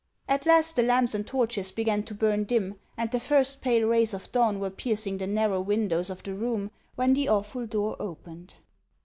At last the lamps and torches began to burn dim, and the first pale rays of dawn were piercing the narrow windows of the room when the awful door opened.